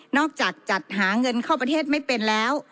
จากจัดหาเงินเข้าประเทศไม่เป็นแล้ว